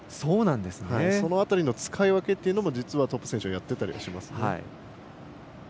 その辺りの使い分けというのも実はトップ選手はやってたりしますね。